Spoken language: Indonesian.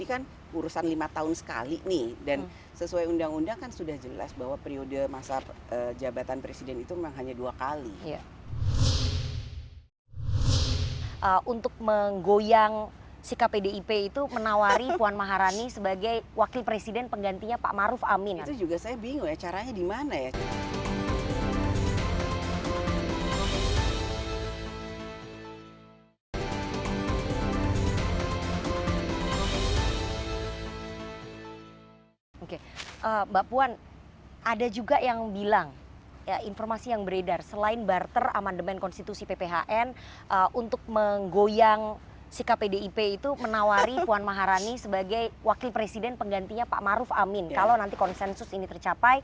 artinya pemerataan ekonomi pemerataan kesejahteraan pemerataan sosial ekonomi budaya politik itu bisa